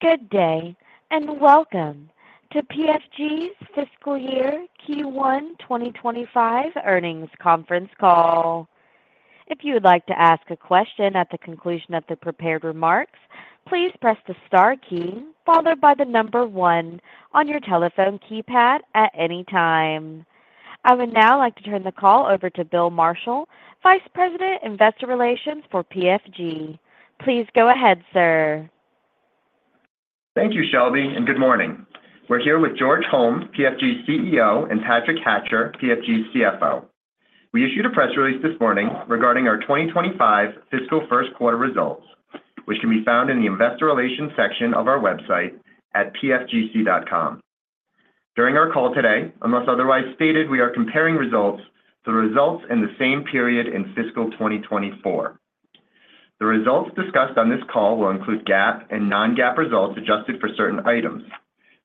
Good day and welcome to PFG's Fiscal Year Q1 2025 earnings conference call. If you would like to ask a question at the conclusion of the prepared remarks, please press the star key followed by the number one on your telephone keypad at any time. I would now like to turn the call over to Bill Marshall, Vice President, Investor Relations for PFG. Please go ahead, sir. Thank you, Shelby, and good morning. We're here with George Holm, PFG's CEO, and Patrick Hatcher, PFG's CFO. We issued a press release this morning fiscal 2025 first quarter results, which can be found in the Investor Relations section of our website at PFGc.com. During our call today, unless otherwise stated, we are comparing results to the results in the same period in Fiscal 2024. The results discussed on this call will include GAAP and non-GAAP results adjusted for certain items.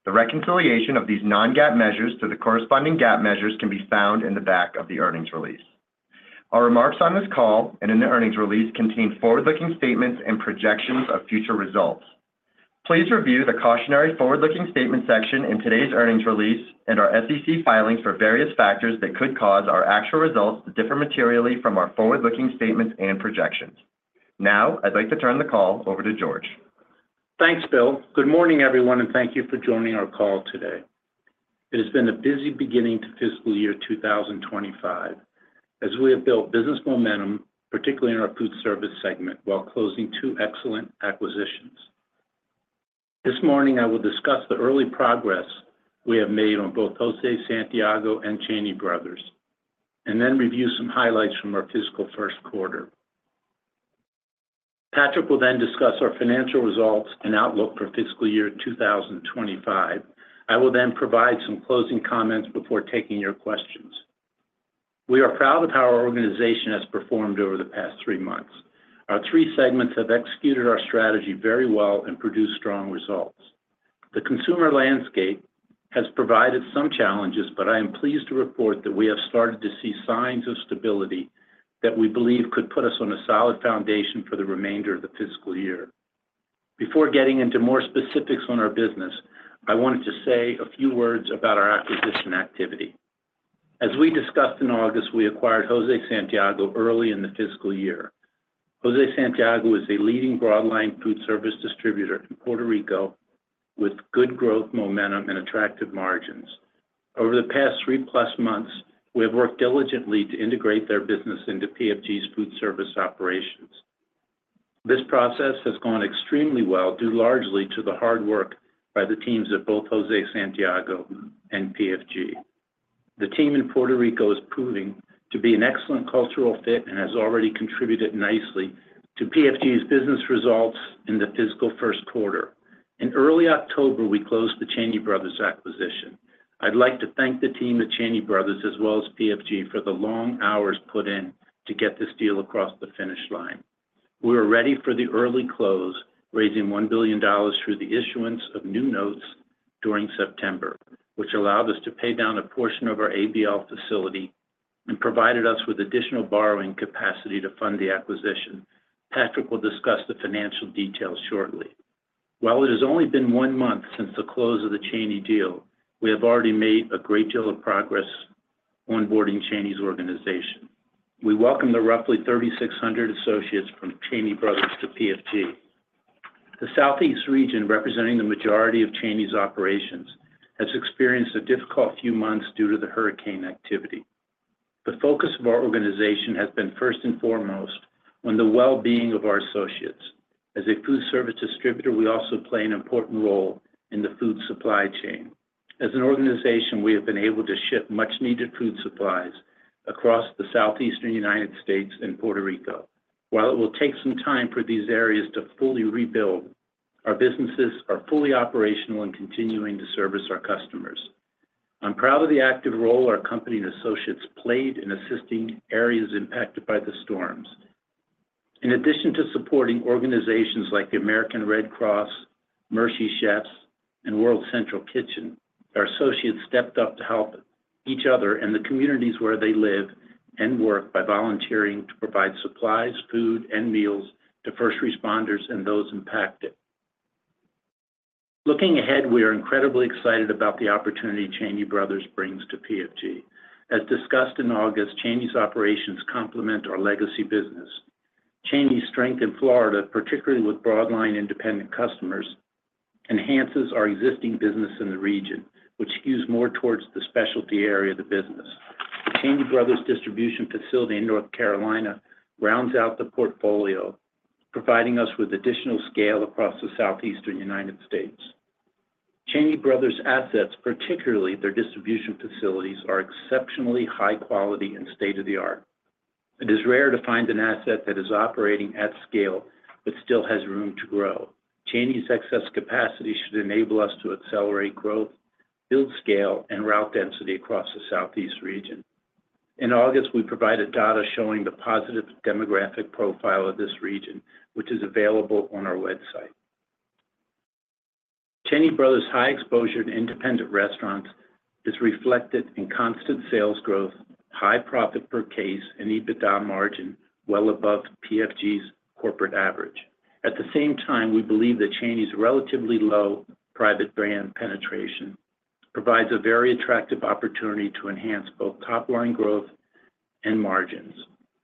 The reconciliation of these non-GAAP measures to the corresponding GAAP measures can be found in the back of the earnings release. Our remarks on this call and in the earnings release contain forward-looking statements and projections of future results. Please review the cautionary forward-looking statement section in today's earnings release and our SEC filings for various factors that could cause our actual results to differ materially from our forward-looking statements and projections. Now, I'd like to turn the call over to George. Thanks, Bill. Good morning, everyone, and thank you for joining our call today. It has been a busy beginning to Fiscal Year 2025 as we have built business momentum, particularly in our foodservice segment, while closing two excellent acquisitions. This morning, I will discuss the early progress we have made on both José Santiago and Cheney fiscal first quarter. Patrick will then discuss our financial results and outlook for Fiscal Year 2025. I will then provide some closing comments before taking your questions. We are proud of how our organization has performed over the past three months. Our three segments have executed our strategy very well and produced strong results. The consumer landscape has provided some challenges, but I am pleased to report that we have started to see signs of stability that we believe could put us on a solid foundation for the remainder of the fiscal year. Before getting into more specifics on our business, I wanted to say a few words about our acquisition activity. As we discussed in August, we acquired José Santiago early in the fiscal year. José Santiago is a leading broadline foodservice distributor in Puerto Rico with good growth momentum and attractive margins. Over the past three-plus months, we have worked diligently to integrate their business into PFG's foodservice operations. This process has gone extremely well due largely to the hard work by the teams at both José Santiago and PFG. The team in Puerto Rico is proving to be an excellent cultural fit fiscal first quarter. in early October, we closed the Cheney Brothers acquisition. i'd like to thank the Cheney Brothers as well as PFG for the long hours put in to get this deal across the finish line. We were ready for the early close, raising $1 billion through the issuance of new notes during September, which allowed us to pay down a portion of our ABL facility and provided us with additional borrowing capacity to fund the acquisition. Patrick will discuss the financial details shortly. While it has only been one month since the close of the Cheney deal, we have already made a great deal of progress onboarding Cheney's organization. We welcome the roughly 3,600 Cheney Brothers to pfg. The Southeast region, representing the majority of Cheney's operations, has experienced a difficult few months due to the hurricane activity. The focus of our organization has been first and foremost on the well-being of our associates. As a Foodservice distributor, we also play an important role in the food supply chain. As an organization, we have been able to ship much-needed food supplies across the Southeastern United States and Puerto Rico. While it will take some time for these areas to fully rebuild, our businesses are fully operational and continuing to service our customers. I'm proud of the active role our company and associates played in assisting areas impacted by the storms. In addition to supporting organizations like the American Red Cross, Mercy Chefs, and World Central Kitchen, our associates stepped up to help each other and the communities where they live and work by volunteering to provide supplies, food, and meals to first responders and those impacted. Looking ahead, we are incredibly excited about Cheney Brothers brings to PFG. As discussed in August, Cheney's operations complement our legacy business. Cheney's strength in Florida, particularly with broadline independent customers, enhances our existing business in the region, which skews more towards the specialty area of the Cheney Brothers distribution facility in North Carolina rounds out the portfolio, providing us with additional scale across the Southeastern Cheney Brothers' assets, particularly their distribution facilities, are exceptionally high quality and state-of-the-art. It is rare to find an asset that is operating at scale but still has room to grow. Brothers' excess capacity should enable us to accelerate growth, build scale, and route density across the Southeast region. In August, we provided data showing the positive demographic profile of this region, which is available on Cheney Brothers' high exposure to independent restaurants is reflected in constant sales growth, high profit per case, and EBITDA margin well above PFG's corporate average. At the same time, that Cheney Brothers' relatively low private brand penetration provides a very attractive opportunity to enhance both top-line growth and margins.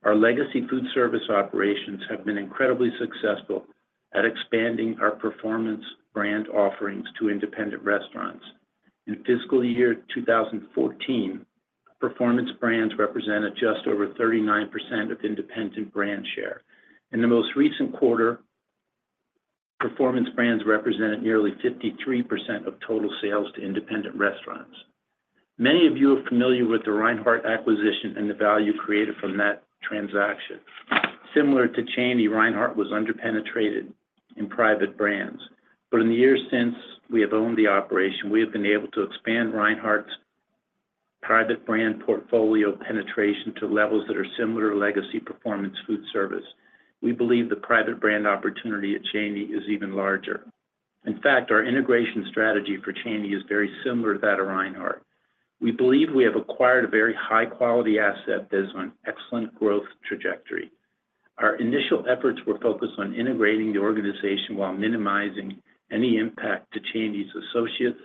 Our legacy Foodservice operations have been incredibly successful at expanding our Performance Brands offerings to independent restaurants. In Fiscal Year 2014, Performance Brands represented just over 39% of independent brand share. In the most recent quarter, Performance Brands represented nearly 53% of total sales to independent restaurants. Many of you are familiar with the Reinhart acquisition and the value created from that transaction. Similar to Cheney, Reinhart was underpenetrated in private brands. But in the years since we have owned the operation, we have been able to expand Reinhart's private brand portfolio penetration to levels that are similar to legacy Performance Foodservice. We believe the private brand opportunity at Cheney is even larger. In fact, our integration strategy for Cheney is very similar to that of Reinhart. We believe we have acquired a very high-quality asset that is on an excellent growth trajectory. Our initial efforts were focused on integrating the organization while minimizing any impact to Cheney's associates,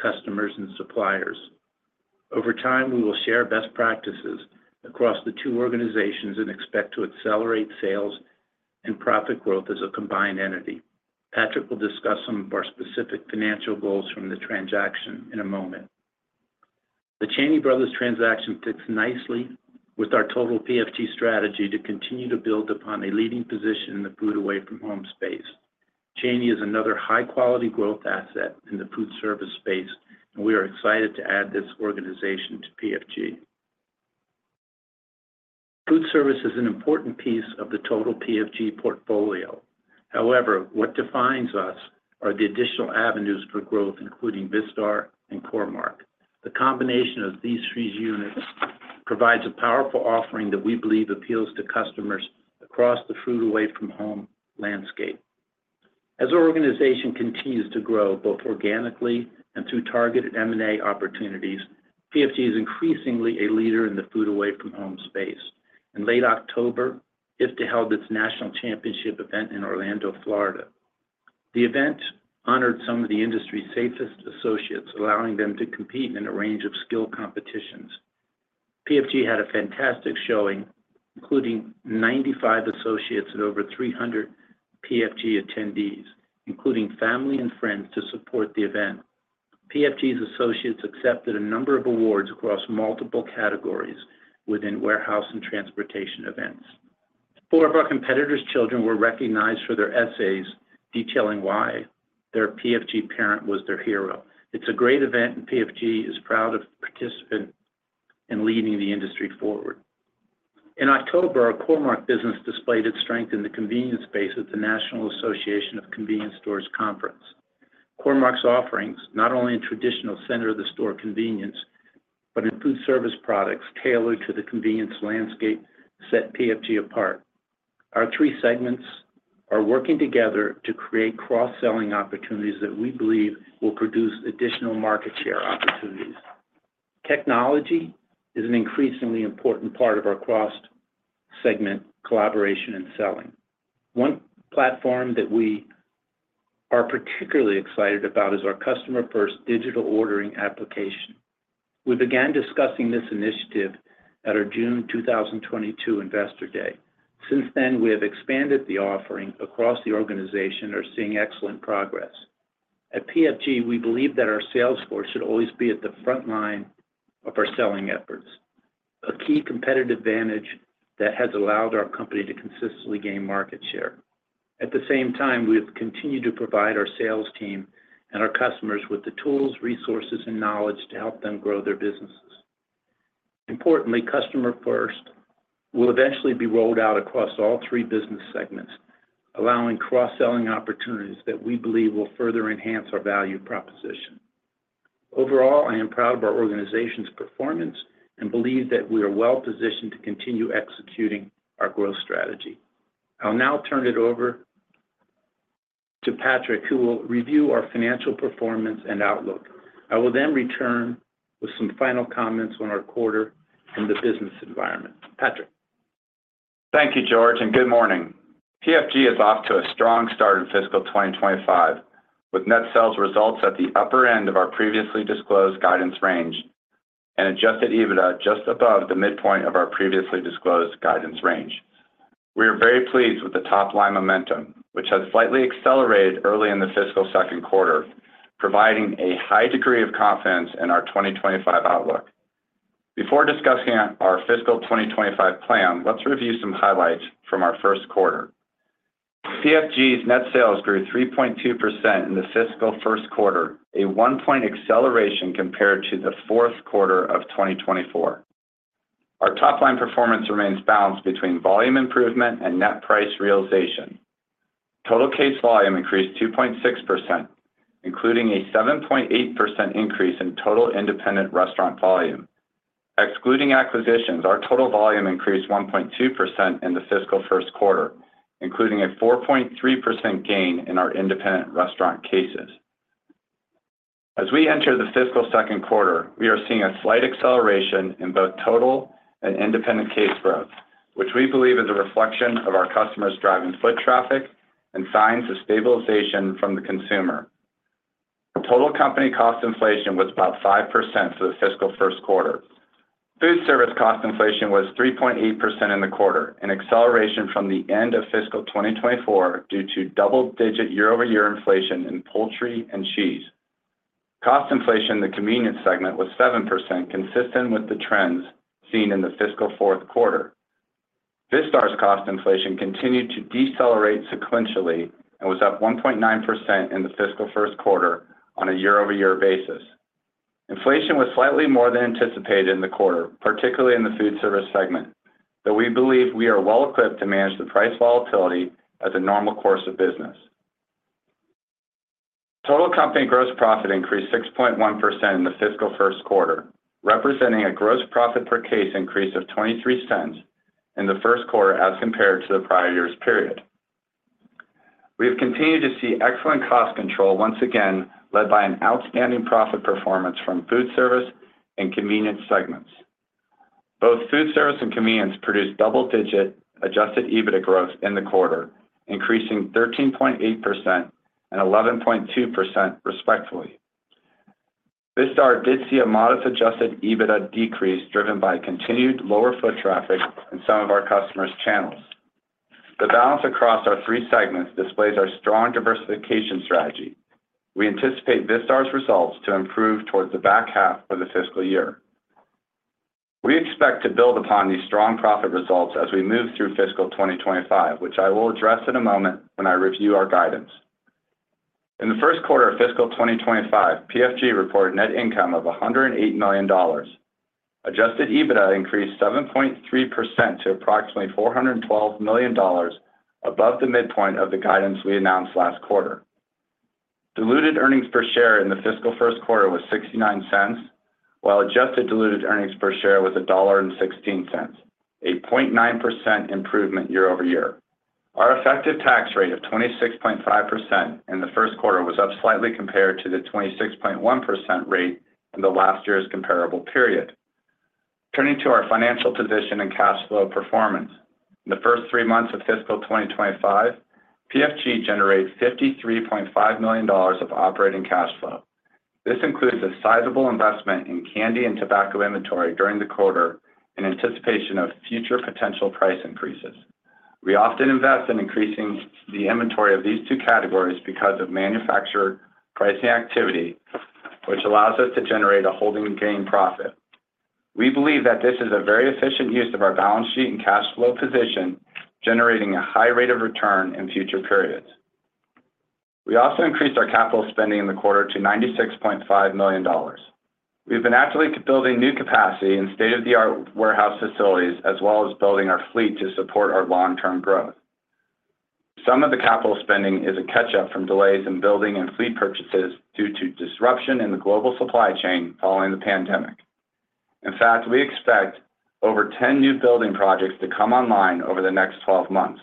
customers, and suppliers. Over time, we will share best practices across the two organizations and expect to accelerate sales and profit growth as a combined entity. Patrick will discuss some of our specific financial goals from the transaction in a Cheney Brothers transaction fits nicely with our total PFG strategy to continue to build upon a leading position in the food away from home space. Cheney is another high-quality growth asset in the Foodservice space, and we are excited to add this organization to PFG. Foodservice is an important piece of the total PFG portfolio. However, what defines us are the additional avenues for growth, including Vistar and Core-Mark. The combination of these three units provides a powerful offering that we believe appeals to customers across the food away from home landscape. As our organization continues to grow both organically and through targeted M&A opportunities, PFG is increasingly a leader in the food away from home space. In late October, IFDA held its national championship event in Orlando, Florida. The event honored some of the industry's safest associates, allowing them to compete in a range of skilled competitions. PFG had a fantastic showing, including 95 associates and over 300 PFG attendees, including family and friends, to support the event. PFG's associates accepted a number of awards across multiple categories within warehouse and transportation events. Four of our competitors' children were recognized for their essays detailing why their PFG parent was their hero. It's a great event, and PFG is proud of participants and leading the industry forward. In October, our Core-Mark business displayed its strength in the Convenience space at the National Association of Convenience Stores Conference. Core-Mark's offerings, not only in traditional center-of-the-store Convenience, but in Foodservice products tailored to the Convenience landscape, set PFG apart. Our three segments are working together to create cross-selling opportunities that we believe will produce additional market share opportunities. Technology is an increasingly important part of our cross-segment collaboration and selling. One platform that we are particularly excited about is our Customer First digital ordering application. We began discussing this initiative at our June 2022 Investor Day. Since then, we have expanded the offering across the organization and are seeing excellent progress. At PFG, we believe that our sales force should always be at the front line of our selling efforts, a key competitive advantage that has allowed our company to consistently gain market share. At the same time, we have continued to provide our sales team and our customers with the tools, resources, and knowledge to help them grow their businesses. Importantly, Customer First will eventually be rolled out across all three business segments, allowing cross-selling opportunities that we believe will further enhance our value proposition. Overall, I am proud of our organization's Performance and believe that we are well-positioned to continue executing our growth strategy. I'll now turn it over to Patrick, who will review our financial Performance and outlook. I will then return with some final comments on our quarter and the business environment. Patrick. Thank you, George, and good morning. PFG is off to a strong fiscal 2025 with net sales results at the upper end of our previously disclosed guidance range and Adjusted EBITDA just above the midpoint of our previously disclosed guidance range. We are very pleased with the top-line momentum, which has slightly accelerated early in the fiscal second quarter, providing a high degree of confidence in our 2025 outlook. Before fiscal 2025 plan, let's review some highlights from our first fiscal first quarter, a one-point acceleration compared to the fourth quarter of 2024. Our top-line Performance remains balanced between volume improvement and net price realization. Total case volume increased 2.6%, including a 7.8% increase in total independent restaurant volume. Excluding fiscal first quarter, including a 4.3% gain in our independent restaurant cases. As we enter the fiscal second quarter, we are seeing a slight acceleration in both total and independent case growth, which we believe is a reflection of our customers' driving foot traffic and signs of stabilization from the consumer. Total fiscal first quarter. Foodservice cost inflation was 3.8% in the quarter, an acceleration from the end of fiscal 2024 due to double-digit year-over-year inflation in poultry and cheese. Cost inflation in the Convenience segment was 7%, consistent with the trends seen in the fiscal fourth quarter. Vistar's cost inflation continued to decelerate sequentially and was fiscal first quarter on a year-over-year basis. Inflation was slightly more than anticipated in the quarter, particularly in the Foodservice segment, though we believe we are well-equipped to manage the price volatility as a normal course of business. fiscal first quarter, representing a gross profit per case increase of $0.23 in the first quarter as compared to the prior year's period. We have continued to see excellent cost control once again, led by an outstanding profit Performance from Foodservice and Convenience segments. Both Foodservice and Convenience produced double-digit Adjusted EBITDA growth in the quarter, increasing 13.8% and 11.2% respectively. Vistar did see a modest Adjusted EBITDA decrease driven by continued lower foot traffic in some of our customers' channels. The balance across our three segments displays our strong diversification strategy. We anticipate Vistar's results to improve towards the back half of the Fiscal Year. We expect to build upon these strong profit results as we fiscal 2025, which i will address in a moment when I review our guidance. In the first fiscal 2025, PFG reported net income of $108 million. Adjusted EBITDA increased 7.3% to approximately $412 million above the midpoint of the guidance we announced fiscal first quarter was $0.69, while adjusted diluted earnings per share was $1.16, a 0.9% improvement year-over-year. Our effective tax rate of 26.5% in the first quarter was up slightly compared to the 26.1% rate in the last year's comparable period. Turning to our financial position and cash flow Performance, in the first three fiscal 2025, PFG generated $53.5 million of operating cash flow. This includes a sizable investment in candy and tobacco inventory during the quarter in anticipation of future potential price increases. We often invest in increasing the inventory of these two categories because of manufacturer pricing activity, which allows us to generate a holding gain profit. We believe that this is a very efficient use of our balance sheet and cash flow position, generating a high rate of return in future periods. We also increased our capital spending in the quarter to $96.5 million. We've been actively building new capacity in state-of-the-art warehouse facilities, as well as building our fleet to support our long-term growth. Some of the capital spending is a catch-up from delays in building and fleet purchases due to disruption in the global supply chain following the pandemic. In fact, we expect over 10 new building projects to come online over the next 12 months.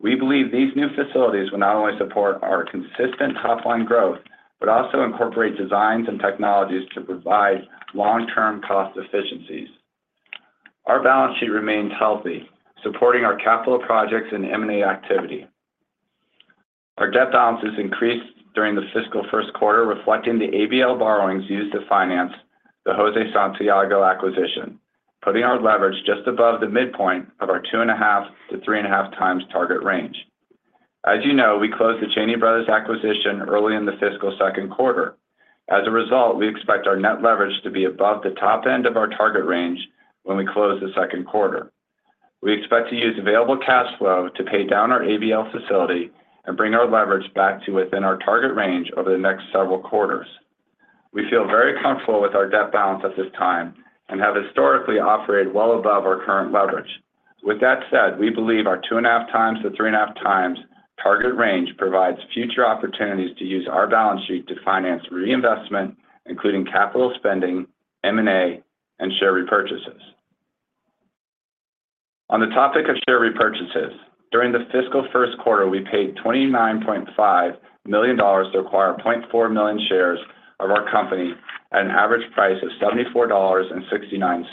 We believe these new facilities will not only support our consistent top-line growth, but also incorporate designs and technologies to provide long-term cost efficiencies. Our balance sheet remains healthy, supporting our capital projects and M&A fiscal first quarter, reflecting the ABL borrowings used to finance the José Santiago acquisition, putting our leverage just above the midpoint of our 2.5-3.5 times target range. As you know, we Cheney Brothers acquisition early in the fiscal second quarter. As a result, we expect our net leverage to be above the top end of our target range when we close the second quarter. We expect to use available cash flow to pay down our ABL facility and bring our leverage back to within our target range over the next several quarters. We feel very comfortable with our debt balance at this time and have historically operated well above our current leverage. With that said, we believe our 2.5 times to 3.5 times target range provides future opportunities to use our balance sheet to finance reinvestment, including capital spending, M&A, and share repurchases. fiscal first quarter, we paid $29.5 million to acquire 0.4 million shares of our company at an average price of $74.69.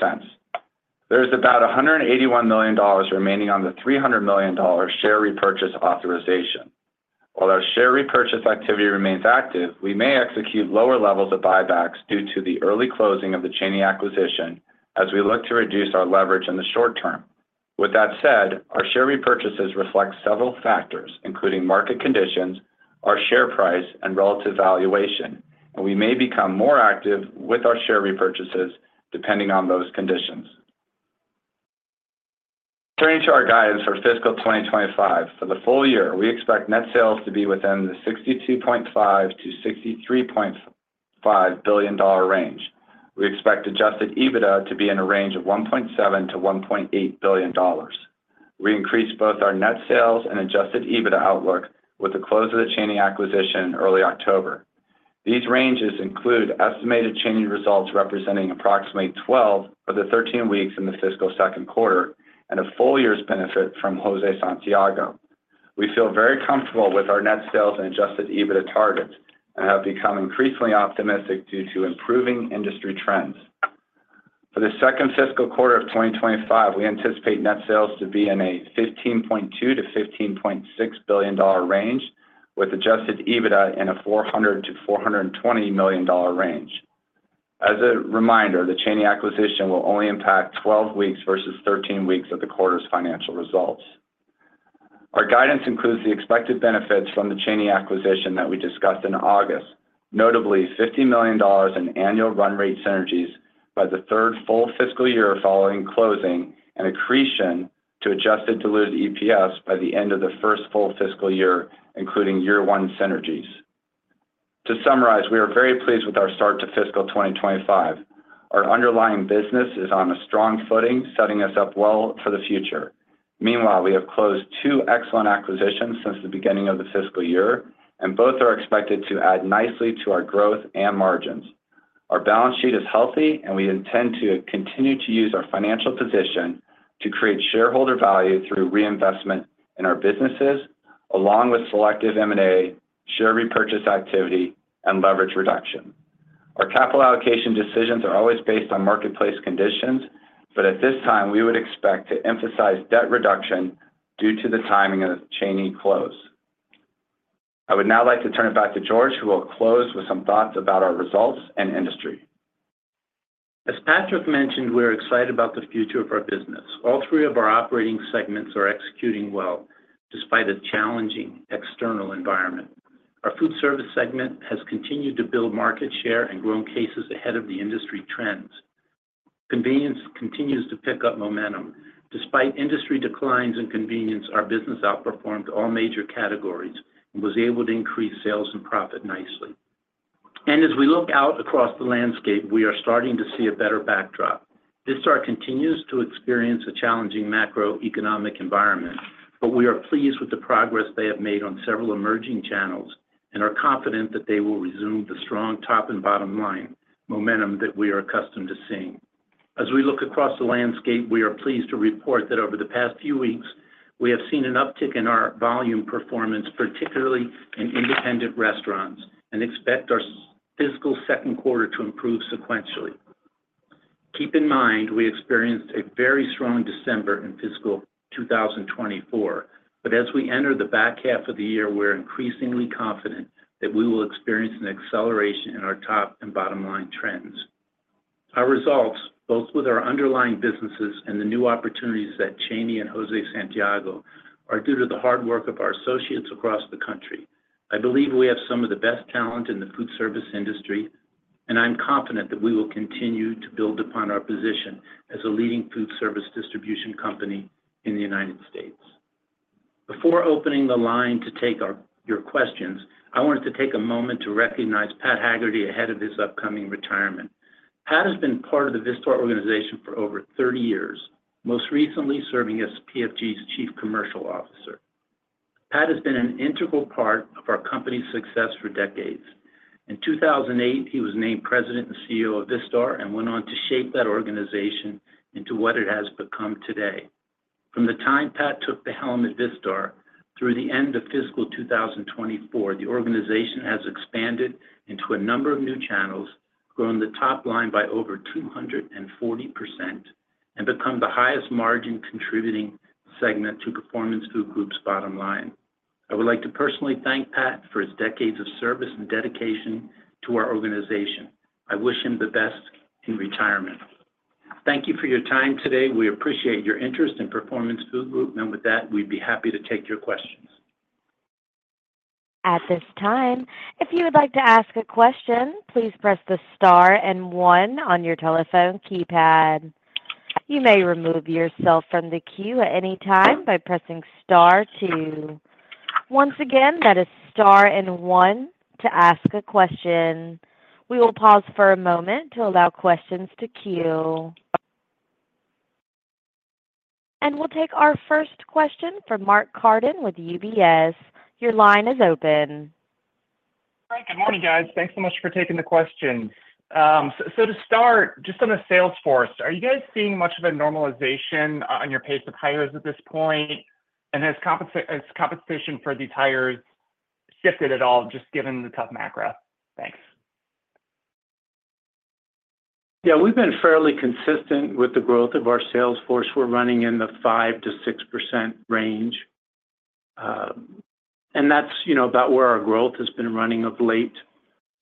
There is about $181 million remaining on the $300 million share repurchase authorization. While our share repurchase activity remains active, we may execute lower levels of buybacks due to the early closing of the Cheney acquisition as we look to reduce our leverage in the short term. With that said, our share repurchases reflect several factors, including market conditions, our share price, and relative valuation, and we may become more active with our share repurchases depending on those conditions. Turning to our fiscal 2025, for the full year, we expect net sales to be within the $62.5-$63.5 billion range. We expect adjusted EBITDA to be in a range of $1.7-$1.8 billion. We increased both our net sales and adjusted EBITDA outlook with the close of the Cheney acquisition in early October. These ranges include estimated Cheney results representing approximately 12 of the 13 weeks in the fiscal second quarter and a full year's benefit from José Santiago. We feel very comfortable with our net sales and adjusted EBITDA targets and have become increasingly optimistic due to improving industry trends. For the second fiscal quarter of 2025, we anticipate net sales to be in a $15.2-$15.6 billion range, with adjusted EBITDA in a $400-$420 million range. As a reminder, the Cheney acquisition will only impact 12 weeks versus 13 weeks of the quarter's financial results. Our guidance includes the expected benefits from the Cheney acquisition that we discussed in August, notably $50 million in annual run rate synergies by the third full fiscal year following closing and accretion to adjusted diluted EPS by the end of the first full fiscal year, including year-one synergies. To summarize, we are very pleased with our fiscal 2025. our underlying business is on a strong footing, setting us up well for the future. Meanwhile, we have closed two excellent acquisitions since the beginning of the fiscal year, and both are expected to add nicely to our growth and margins. Our balance sheet is healthy, and we intend to continue to use our financial position to create shareholder value through reinvestment in our businesses, along with selective M&A, share repurchase activity, and leverage reduction. Our capital allocation decisions are always based on marketplace conditions, but at this time, we would expect to emphasize debt reduction due to the timing of Cheney close. I would now like to turn it back to George, who will close with some thoughts about our results and industry. As Patrick mentioned, we are excited about the future of our business. All three of our operating segments are executing well despite a challenging external environment. Our Foodservice segment has continued to build market share and grown cases ahead of the industry trends. Convenience continues to pick up momentum. Despite industry declines in Convenience, our business outperformed all major categories and was able to increase sales and profit nicely. And as we look out across the landscape, we are starting to see a better backdrop. Vistar continues to experience a challenging macroeconomic environment, but we are pleased with the progress they have made on several emerging channels and are confident that they will resume the strong top and bottom line momentum that we are accustomed to seeing. As we look across the landscape, we are pleased to report that over the past few weeks, we have seen an uptick in our volume Performance, particularly in independent restaurants, and expect our fiscal second quarter to improve sequentially. Keep in mind, we experienced a very strong December in fiscal 2024, but as we enter the back half of the year, we are increasingly confident that we will experience an acceleration in our top and bottom line trends. Our results, both with our underlying businesses and the new opportunities at Cheney and José Santiago, are due to the hard work of our associates across the country. I believe we have some of the best talent in the Foodservice industry, and I'm confident that we will continue to build upon our position as a leading Foodservice distribution company in the United States. Before opening the line to take your questions, I wanted to take a moment to recognize Pat Hagerty ahead of his upcoming retirement. Pat has been part of the Vistar organization for over 30 years, most recently serving as PFG's Chief Commercial Officer. Pat has been an integral part of our company's success for decades. In 2008, he was named President and CEO of Vistar and went on to shape that organization into what it has become today. From the time Pat took the helm at Vistar through the end of fiscal 2024, the organization has expanded into a number of new channels, grown the top line by over 240%, and become the highest margin contributing segment to Performance Food Group's bottom line. I would like to personally thank Pat for his decades of service and dedication to our organization. I wish him the best in retirement. Thank you for your time today. We appreciate your interest in Performance Food Group, and with that, we'd be happy to take your questions. At this time, if you would like to ask a question, please press the star and one on your telephone keypad. You may remove yourself from the queue at any time by pressing star two. Once again, that is star and one to ask a question. We will pause for a moment to allow questions to queue, and we'll take our first question from Mark Carden with UBS. Your line is open. Hi, good morning, guys. Thanks so much for taking the question. So to start, just on the sales force, are you guys seeing much of a normalization on your pace of hires at this point? And has competition for these hires shifted at all, just given the tough macro? Thanks. Yeah, we've been fairly consistent with the growth of our sales force. We're running in the 5%-6% range. And that's about where our growth has been running of late.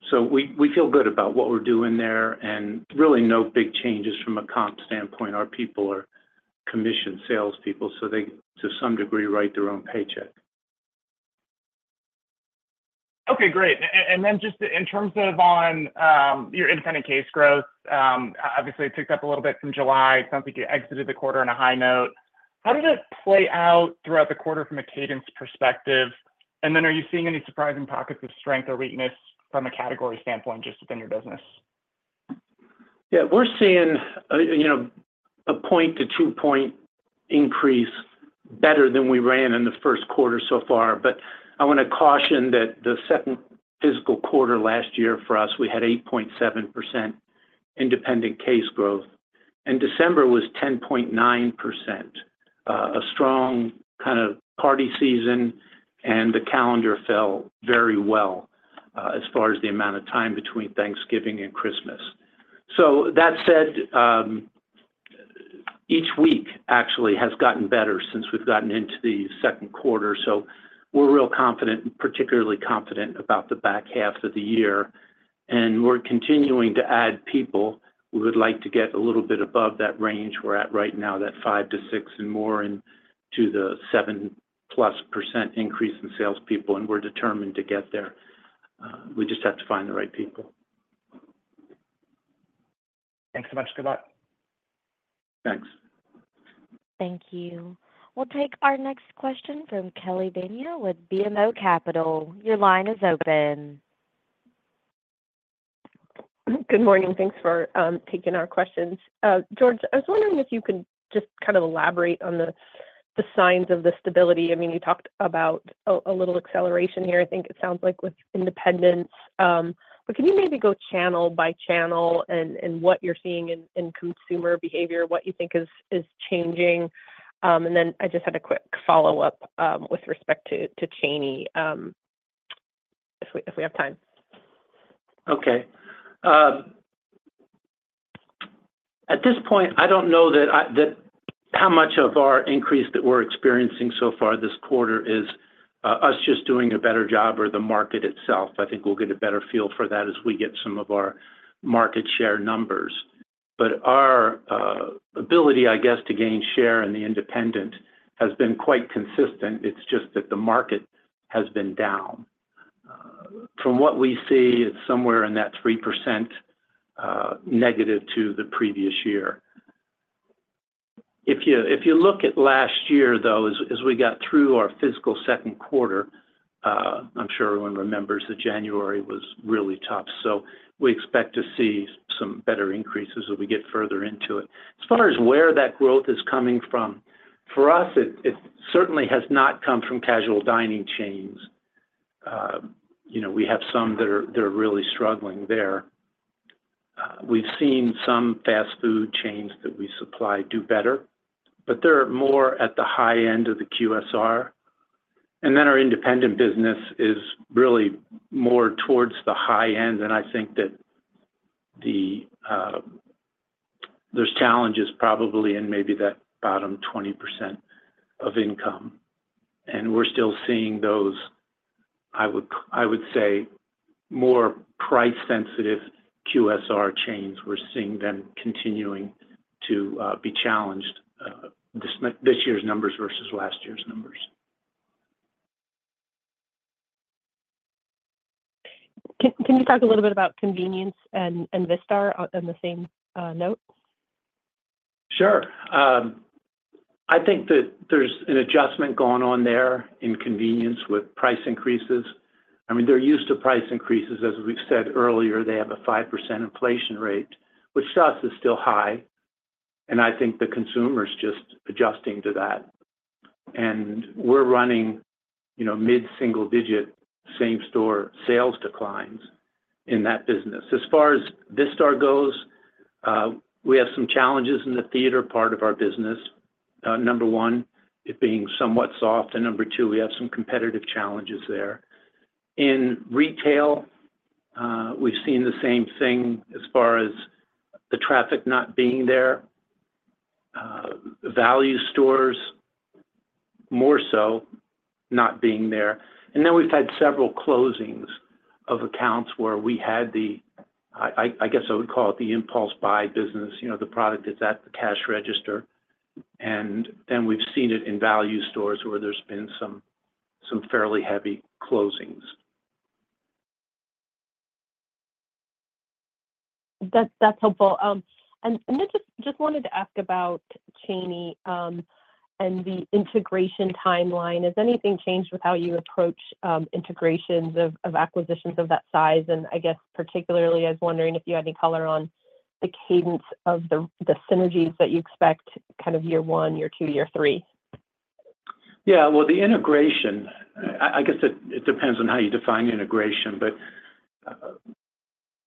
So we feel good about what we're doing there. And really no big changes from a comp standpoint. Our people are commissioned salespeople, so they to some degree write their own paycheck. Okay, great. And then just in terms of on your independent case growth, obviously it ticked up a little bit from July. It sounds like you exited the quarter on a high note. How did it play out throughout the quarter from a cadence perspective? And then are you seeing any surprising pockets of strength or weakness from a category standpoint just within your business? Yeah, we're seeing a 0.2- to 2-point increase better than we ran in the first quarter so far, but I want to caution that the second fiscal quarter last year for us we had 8.7% independent case growth, and December was 10.9%, a strong kind of party season, and the calendar fell very well as far as the amount of time between Thanksgiving and Christmas, so that said, each week actually has gotten better since we've gotten into the second quarter, so we're real confident, particularly confident about the back half of the year, and we're continuing to add people. We would like to get a little bit above that range we're at right now, that 5- to 6- and more into the 7+% increase in salespeople, and we're determined to get there. We just have to find the right people. Thanks so much. Good luck. Thanks. Thank you. We'll take our next question from Kelly Bania with BMO Capital. Your line is open. Good morning. Thanks for taking our questions. George, I was wondering if you could just kind of elaborate on the signs of the stability. I mean, you talked about a little acceleration here, I think it sounds like, with independents. But can you maybe go channel by channel and what you're seeing in consumer behavior, what you think is changing? And then I just had a quick follow-up with respect to Cheney, if we have time. Okay. At this point, I don't know how much of our increase that we're experiencing so far this quarter is us just doing a better job or the market itself. I think we'll get a better feel for that as we get some of our market share numbers. But our ability, I guess, to gain share in the independent has been quite consistent. It's just that the market has been down. From what we see, it's somewhere in that 3% negative to the previous year. If you look at last year, though, as we got through our fiscal second quarter, I'm sure everyone remembers that January was really tough. So we expect to see some better increases as we get further into it. As far as where that growth is coming from, for us, it certainly has not come from casual dining chains. We have some that are really struggling there. We've seen some fast food chains that we supply do better, but they're more at the high end of the QSR. And then our independent business is really more towards the high end, and I think that there's challenges probably in maybe that bottom 20% of income. And we're still seeing those, I would say, more price-sensitive QSR chains. We're seeing them continuing to be challenged this year's numbers versus last year's numbers. Can you talk a little bit about Convenience and Vistar on the same note? Sure. I think that there's an adjustment going on there in Convenience with price increases. I mean, they're used to price increases. As we've said earlier, they have a 5% inflation rate, which to us is still high, and I think the consumer is just adjusting to that, and we're running mid-single digit same-store sales declines in that business. As far as Vistar goes, we have some challenges in the theater part of our business, number one, it being somewhat soft, and number two, we have some competitive challenges there. In retail, we've seen the same thing as far as the traffic not being there, value stores more so not being there, and then we've had several closings of accounts where we had the, I guess I would call it the impulse buy business, the product that's at the cash register. And then we've seen it in value stores where there's been some fairly heavy closings. That's helpful. And I just wanted to ask about Cheney and the integration timeline. Has anything changed with how you approach integrations of acquisitions of that size? And I guess particularly, I was wondering if you had any color on the cadence of the synergies that you expect kind of year one, year two, year three. Yeah. Well, the integration, I guess it depends on how you define integration, but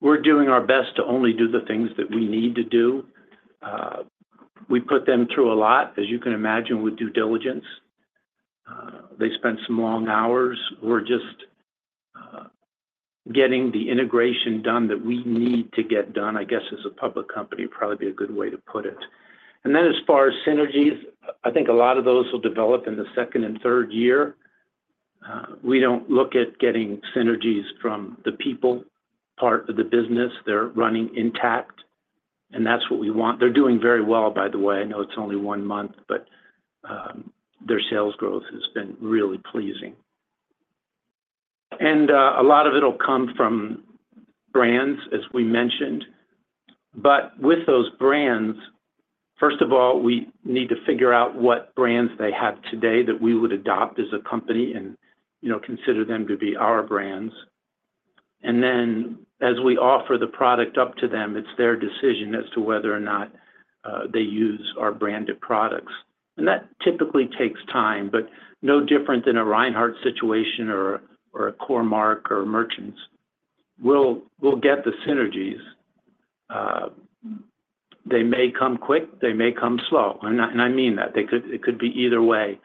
we're doing our best to only do the things that we need to do. We put them through a lot, as you can imagine, with due diligence. They spend some long hours. We're just getting the integration done that we need to get done, I guess, as a public company would probably be a good way to put it. And then as far as synergies, I think a lot of those will develop in the second and third year. We don't look at getting synergies from the people part of the business. They're running intact, and that's what we want. They're doing very well, by the way. I know it's only one month, but their sales growth has been really pleasing. And a lot of it will come from brands, as we mentioned. But with those brands, first of all, we need to figure out what brands they have today that we would adopt as a company and consider them to be our brands. And then as we offer the product up to them, it's their decision as to whether or not they use our branded products. And that typically takes time, but no different than a Reinhart situation or a Core-Mark or Merchants. We'll get the synergies. They may come quick. They may come slow. And I mean that. It could be either way.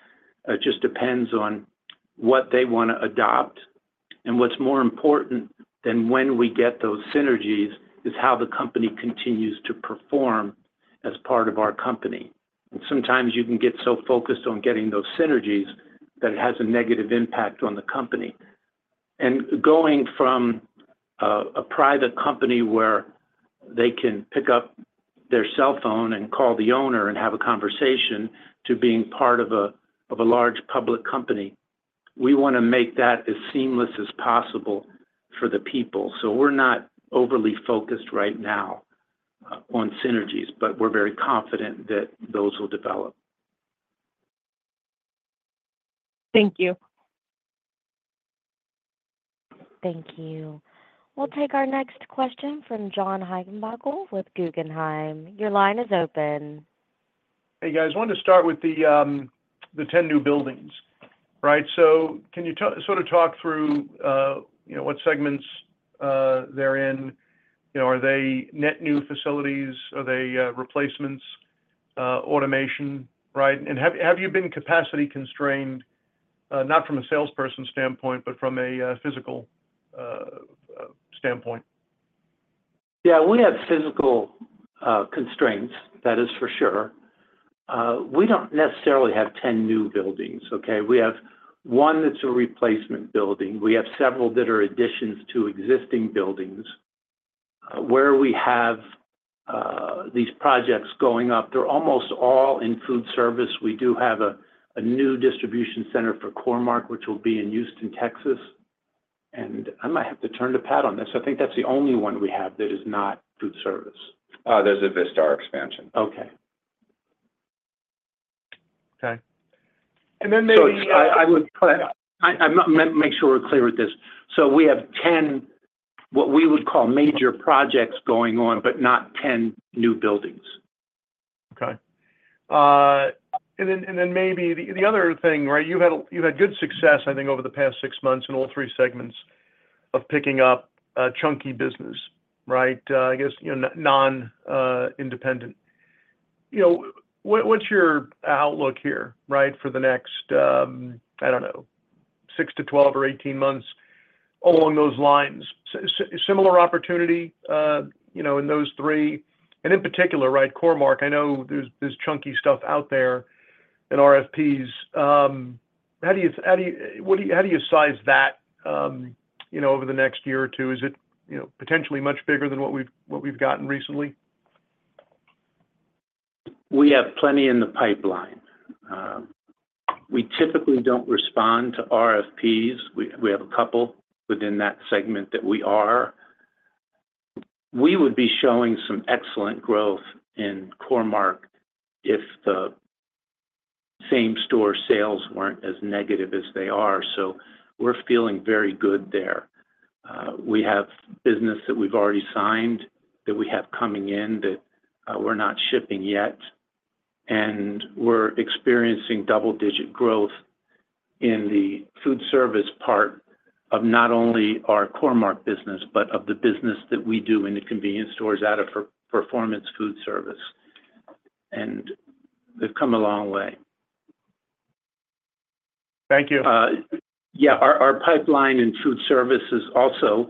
It just depends on what they want to adopt. And what's more important than when we get those synergies is how the company continues to perform as part of our company. And sometimes you can get so focused on getting those synergies that it has a negative impact on the company. Going from a private company where they can pick up their cell phone and call the owner and have a conversation to being part of a large public company, we want to make that as seamless as possible for the people. We're not overly focused right now on synergies, but we're very confident that those will develop. Thank you. Thank you. We'll take our next question from John Heinbockel with Guggenheim. Your line is open. Hey, guys. I wanted to start with the 10 new buildings, right? So can you sort of talk through what segments they're in? Are they net new facilities? Are they replacements, automation, right? And have you been capacity constrained, not from a salesperson standpoint, but from a physical standpoint? Yeah. We have physical constraints, that is for sure. We don't necessarily have 10 new buildings, okay? We have one that's a replacement building. We have several that are additions to existing buildings. Where we have these projects going up, they're almost all in Foodservice. We do have a new distribution center for Core-Mark, which will be in Houston, Texas. And I might have to turn to Pat on this. I think that's the only one we have that is not Foodservice. Oh, there's a Vistar expansion. Okay. Okay. And then maybe. So I would make sure we're clear with this. So we have 10, what we would call major projects going on, but not 10 new buildings. Okay, and then maybe the other thing, right? You've had good success, I think, over the past six months in all three segments of picking up chunky business, right? I guess non-independent. What's your outlook here, right, for the next, I don't know, six to 12 or 18 months along those lines? Similar opportunity in those three? And in particular, right, Core-Mark, I know there's chunky stuff out there in RFPs. How do you size that over the next year or two? Is it potentially much bigger than what we've gotten recently? We have plenty in the pipeline. We typically don't respond to RFPs. We have a couple within that segment that we are. We would be showing some excellent growth in Core-Mark if the same store sales weren't as negative as they are. So we're feeling very good there. We have business that we've already signed that we have coming in that we're not shipping yet. And we're experiencing double-digit growth in the Foodservice part of not only our Core-Mark business, but of the business that we do in the Convenience stores out of Performance Foodservice. And we've come a long way. Thank you. Yeah. Our pipeline in Foodservice is also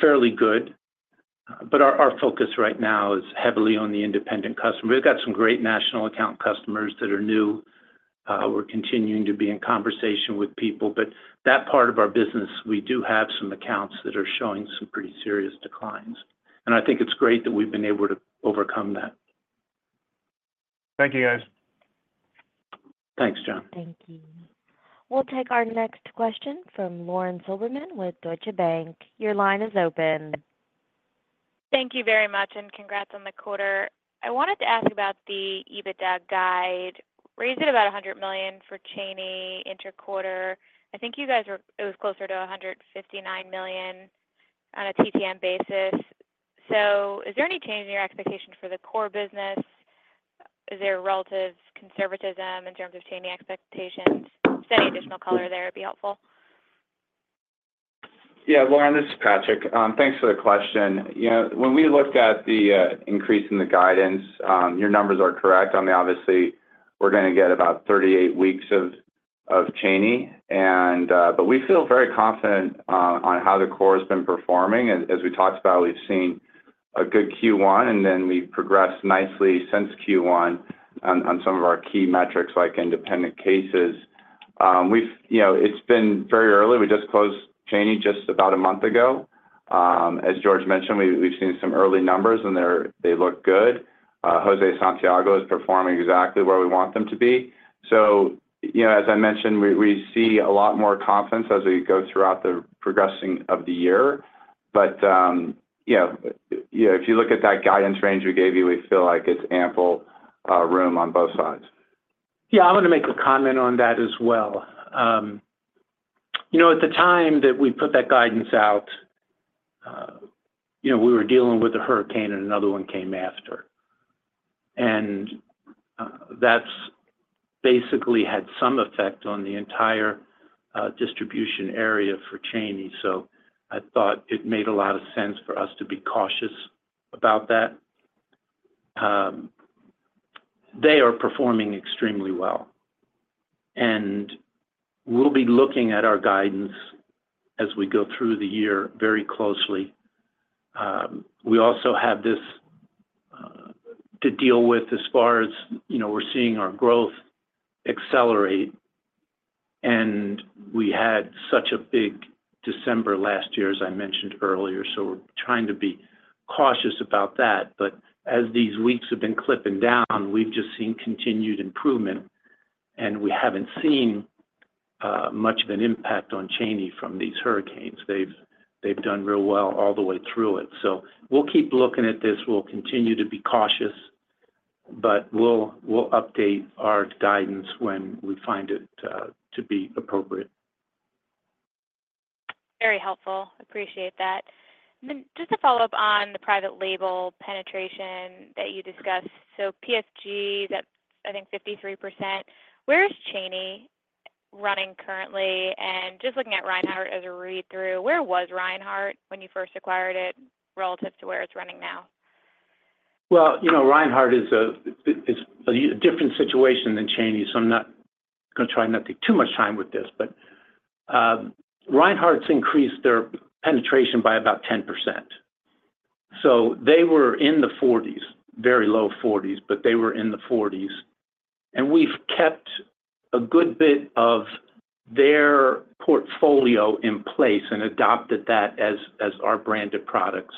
fairly good, but our focus right now is heavily on the independent customer. We've got some great national account customers that are new. We're continuing to be in conversation with people. But that part of our business, we do have some accounts that are showing some pretty serious declines. And I think it's great that we've been able to overcome that. Thank you, guys. Thanks, John. Thank you. We'll take our next question from Lauren Silberman with Deutsche Bank. Your line is open. Thank you very much, and congrats on the quarter. I wanted to ask about the EBITDA guide. Raised it about $100 million for Cheney interquarter. I think it was closer to $159 million on a TTM basis. So is there any change in your expectations for the core business? Is there relative conservatism in terms of Cheney expectations? Just any additional color there would be helpful. Yeah. Lauren, this is Patrick. Thanks for the question. When we looked at the increase in the guidance, your numbers are correct. I mean, obviously, we're going to get about 38 weeks of Cheney. But we feel very confident on how the core has been performing. As we talked about, we've seen a good Q1, and then we've progressed nicely since Q1 on some of our key metrics like independent cases. It's been very early. We just closed Cheney just about a month ago. As George mentioned, we've seen some early numbers, and they look good. José Santiago is performing exactly where we want them to be. So as I mentioned, we see a lot more confidence as we go throughout the progressing of the year. But if you look at that guidance range we gave you, we feel like it's ample room on both sides. Yeah. I want to make a comment on that as well. At the time that we put that guidance out, we were dealing with a hurricane, and another one came after, and that's basically had some effect on the entire distribution area for Cheney, so I thought it made a lot of sense for us to be cautious about that. They are performing extremely well, and we'll be looking at our guidance as we go through the year very closely. We also have this to deal with as far as we're seeing our growth accelerate, and we had such a big December last year, as I mentioned earlier, so we're trying to be cautious about that, but as these weeks have been clipping down, we've just seen continued improvement, and we haven't seen much of an impact on Cheney from these hurricanes. They've done real well all the way through it. So we'll keep looking at this. We'll continue to be cautious, but we'll update our guidance when we find it to be appropriate. Very helpful. Appreciate that. And then just to follow up on the private label penetration that you discussed. So PFG, I think 53%. Where is Cheney running currently? And just looking at Reinhart as a read-through, where was Reinhart when you first acquired it relative to where it's running now? Well, Reinhart is a different situation than Cheney, so I'm not going to try not to take too much time with this. But Reinhart's increased their penetration by about 10%. So they were in the 40s, very low 40s, but they were in the 40s. And we've kept a good bit of their portfolio in place and adopted that as our branded products.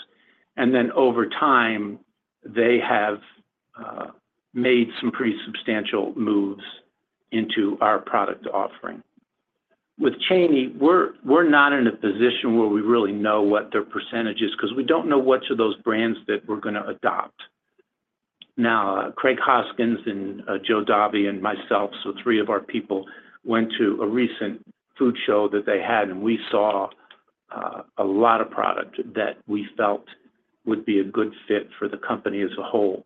And then over time, they have made some pretty substantial moves into our product offering. With Cheney, we're not in a position where we really know what their percentage is because we don't know which of those brands that we're going to adopt. Now, Craig Hoskins and Joe Davi and myself, so three of our people, went to a recent food show that they had, and we saw a lot of product that we felt would be a good fit for the company as a whole.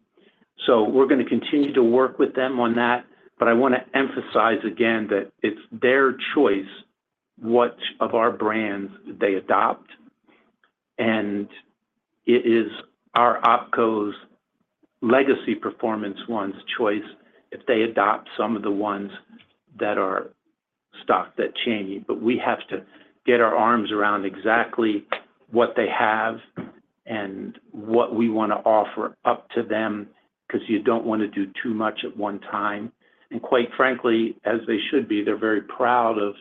So we're going to continue to work with them on that. But I want to emphasize again that it's their choice which of our brands they adopt. And it is our OpCo's legacy Performance ones' choice if they adopt some of the ones that are stocked at Cheney. But we have to get our arms around exactly what they have and what we want to offer up to them because you don't want to do too much at one time. And quite frankly, as they should be, they're very proud of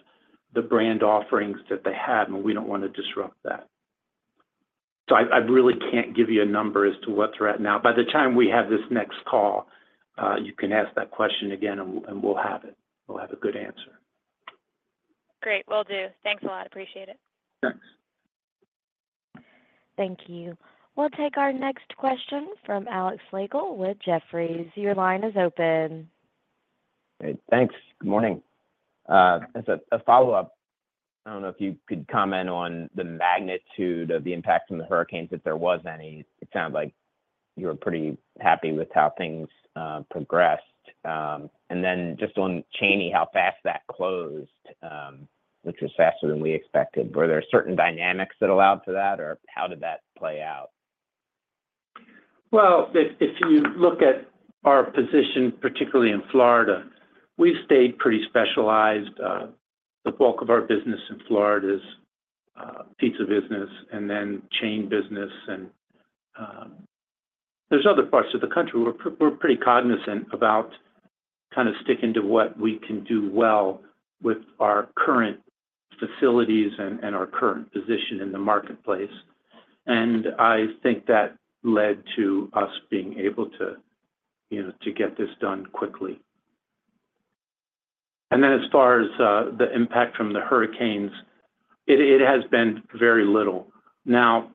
the brand offerings that they have, and we don't want to disrupt that. So I really can't give you a number as to what's right now. By the time we have this next call, you can ask that question again, and we'll have it. We'll have a good answer. Great. Will do. Thanks a lot. Appreciate it. Thanks. Thank you. We'll take our next question from Alex Slagle with Jefferies. Your line is open. Thanks. Good morning. As a follow-up, I don't know if you could comment on the magnitude of the impact from the hurricanes, if there was any. It sounds like you were pretty happy with how things progressed. And then just on Cheney, how fast that closed, which was faster than we expected. Were there certain dynamics that allowed for that, or how did that play out? If you look at our position, particularly in Florida, we've stayed pretty specialized. The bulk of our business in Florida is pizza business and then chain business. There's other parts of the country where we're pretty cognizant about kind of sticking to what we can do well with our current facilities and our current position in the marketplace. I think that led to us being able to get this done quickly. As far as the impact from the hurricanes, it has been very little. Now,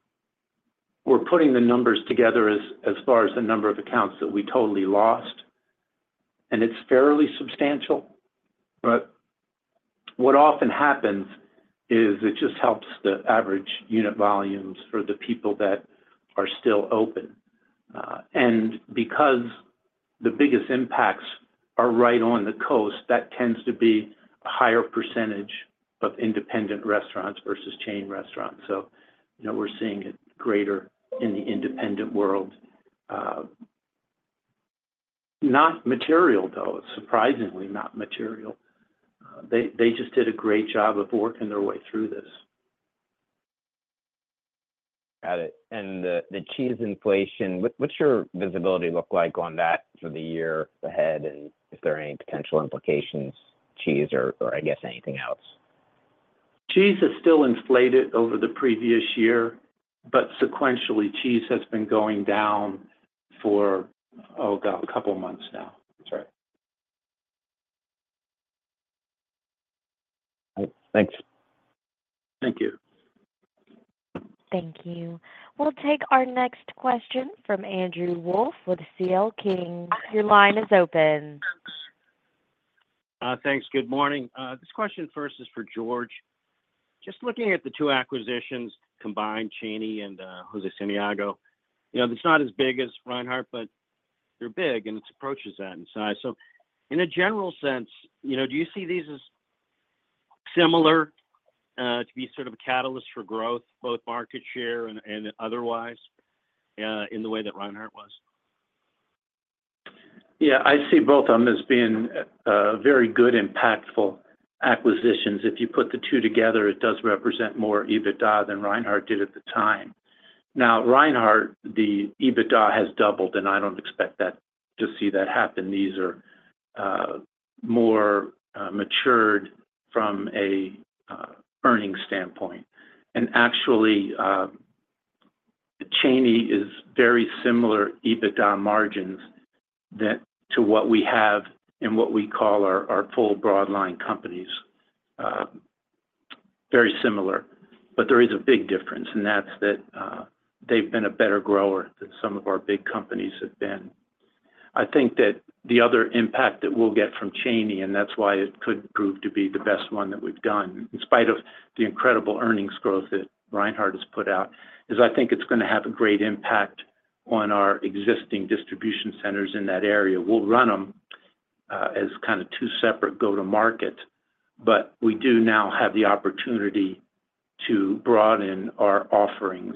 we're putting the numbers together as far as the number of accounts that we totally lost, and it's fairly substantial. What often happens is it just helps the average unit volumes for the people that are still open. And because the biggest impacts are right on the coast, that tends to be a higher percentage of independent restaurants versus chain restaurants. So we're seeing it greater in the independent world. Not material, though, surprisingly not material. They just did a great job of working their way through this. Got it. And the cheese inflation, what's your visibility look like on that for the year ahead? And is there any potential implications, cheese or, I guess, anything else? Cheese is still inflated over the previous year, but sequentially, cheese has been going down for, oh, God, a couple of months now. That's right. Thanks. Thank you. Thank you. We'll take our next question from Andrew Wolf with CL King. Your line is open. Thanks. Good morning. This question first is for George. Just looking at the two acquisitions, combined Cheney and José Santiago, it's not as big as Reinhart, but they're big, and it approaches that in size. So in a general sense, do you see these as similar to be sort of a catalyst for growth, both market share and otherwise, in the way that Reinhart was? Yeah. I see both of them as being very good, impactful acquisitions. If you put the two together, it does represent more EBITDA than Reinhart did at the time. Now, Reinhart, the EBITDA has doubled, and I don't expect to see that happen. These are more matured from an earnings standpoint. And actually, Cheney is very similar EBITDA margins to what we have in what we call our full broadline companies. Very similar. But there is a big difference, and that's that they've been a better grower than some of our big companies have been. I think that the other impact that we'll get from Cheney, and that's why it could prove to be the best one that we've done, in spite of the incredible earnings growth that Reinhart has put out, is I think it's going to have a great impact on our existing distribution centers in that area. We'll run them as kind of two separate go-to-market, but we do now have the opportunity to broaden our offerings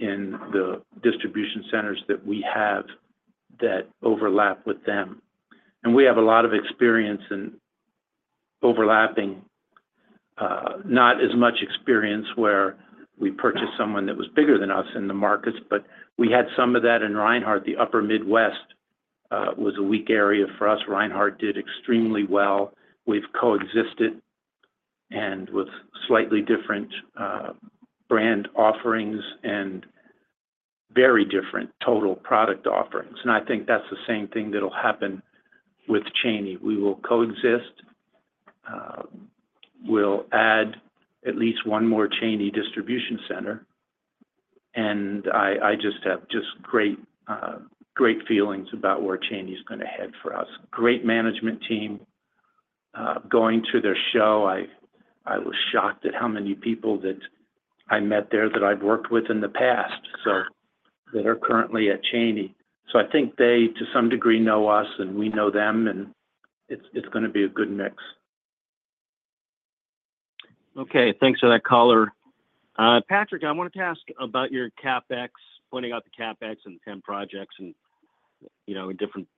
in the distribution centers that we have that overlap with them. And we have a lot of experience in overlapping, not as much experience where we purchased someone that was bigger than us in the markets, but we had some of that in Reinhart. The Upper Midwest was a weak area for us. Reinhart did extremely well. We've coexisted with slightly different brand offerings and very different total product offerings. And I think that's the same thing that'll happen with Cheney. We will coexist. We'll add at least one more Cheney distribution center. And I just have great feelings about where Cheney is going to head for us. Great management team. Going to their show, I was shocked at how many people that I met there that I've worked with in the past that are currently at Cheney. So I think they, to some degree, know us, and we know them, and it's going to be a good mix. Okay. Thanks for that color. Patrick, I wanted to ask about your CapEx, pointing out the CapEx and 10 projects in different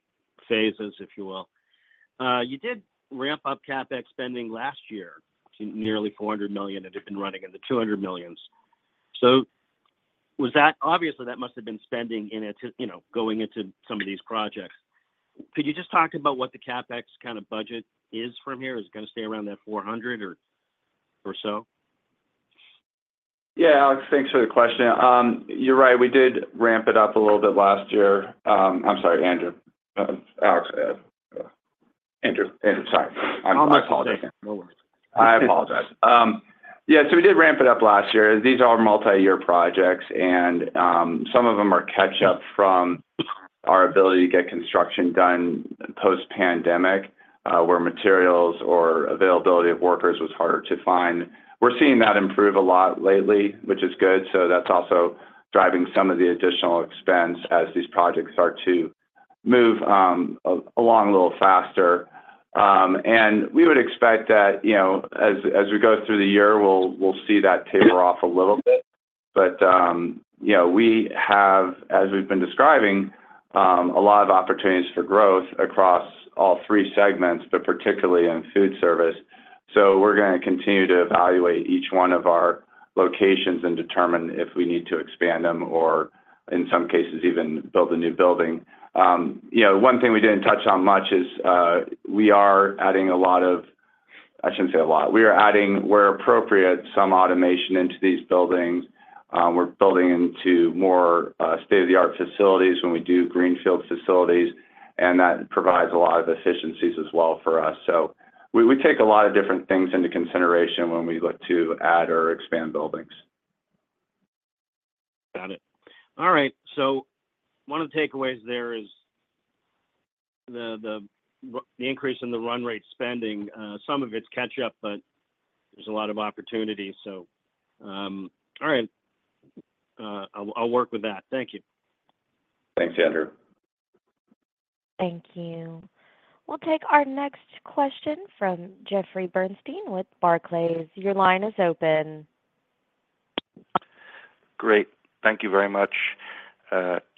phases, if you will. You did ramp up CapEx spending last year to nearly $400 million, and it had been running in the $200 millions. So obviously, that must have been spending going into some of these projects. Could you just talk about what the CapEx kind of budget is from here? Is it going to stay around that $400 or so? Yeah. Thanks for the question. You're right. We did ramp it up a little bit last year. I'm sorry, Andrew. Andrew. Sorry. I apologize. Yeah. So we did ramp it up last year. These are multi-year projects, and some of them are catch-up from our ability to get construction done post-pandemic where materials or availability of workers was harder to find. We're seeing that improve a lot lately, which is good. So that's also driving some of the additional expense as these projects start to move along a little faster. And we would expect that as we go through the year, we'll see that taper off a little bit. But we have, as we've been describing, a lot of opportunities for growth across all three segments, but particularly in Foodservice. So we're going to continue to evaluate each one of our locations and determine if we need to expand them or, in some cases, even build a new building. One thing we didn't touch on much is we are adding a lot of. I shouldn't say a lot. We're adding, where appropriate, some automation into these buildings. We're building into more state-of-the-art facilities when we do greenfield facilities, and that provides a lot of efficiencies as well for us. So we take a lot of different things into consideration when we look to add or expand buildings. Got it. All right. So one of the takeaways there is the increase in the run rate spending. Some of it's catch-up, but there's a lot of opportunity. So all right. I'll work with that. Thank you. Thanks, Andrew. Thank you. We'll take our next question from Jeffrey Bernstein with Barclays. Your line is open. Great. Thank you very much.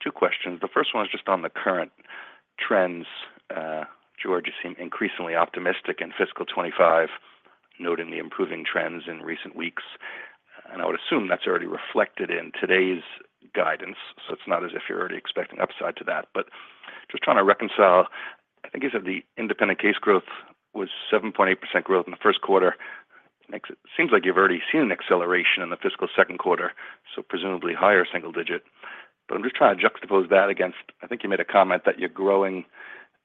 Two questions. The first one is just on the current trends. George is increasingly optimistic in fiscal 25, noting the improving trends in recent weeks. And I would assume that's already reflected in today's guidance. So it's not as if you're already expecting upside to that. But just trying to reconcile, I think you said the independent case growth was 7.8% growth in the first quarter. It seems like you've already seen an acceleration in the fiscal second quarter, so presumably higher single digit. But I'm just trying to juxtapose that against, I think you made a comment that you're growing